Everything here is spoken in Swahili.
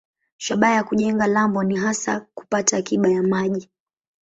Shabaha ya kujenga lambo ni hasa kupata akiba ya maji.